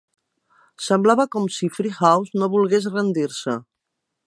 Semblava com si Free House no volgués rendir-se.